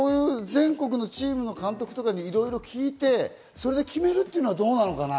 全国のチームの監督とかに、いろいろ聞いてそれで決めるっていうのはどうなのかな？